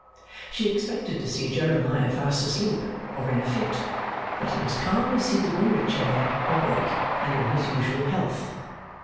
She expected to see Jeremiah fast asleep or in a fit, but he was calmly seated in a chair, awake, and in his usual health.